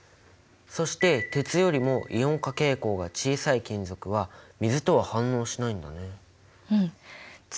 そして鉄よりもイオン化傾向が小さい金属は水とは反応しないんだね。